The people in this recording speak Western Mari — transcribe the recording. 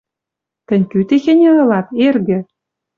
«Тӹнь кӱ техеньӹ ылат, эргӹ? —